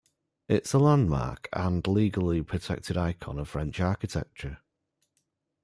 It's a landmark and legally protected icon of French architecture.